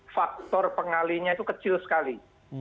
faktor pengalinya itu kecil sekali